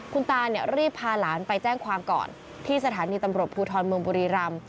คุณตารีบพาหลานไปแจ้งความก่อนที่สถานีตำรวจภูทรเมืองบุรีรำ